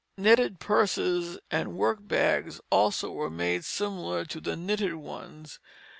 Netted purses and work bags also were made similar to the knitted ones.